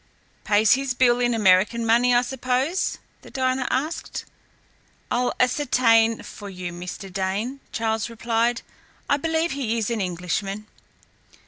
"Pays his bill in American money, I suppose?" the diner asked. "I'll ascertain for you, Mr. Dane," Charles replied. "I believe he is an Englishman."